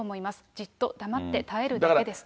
じっと黙って耐えるだけですと。